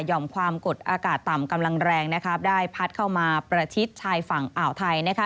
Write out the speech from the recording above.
่อมความกดอากาศต่ำกำลังแรงได้พัดเข้ามาประชิดชายฝั่งอ่าวไทย